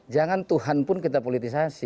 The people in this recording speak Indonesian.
jangan tuhan pun kita politisasi